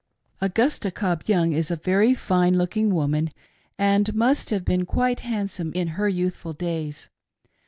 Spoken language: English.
] Augusta Cobb Young is a very fine looking woman and must have been quite handsome in her youthful days.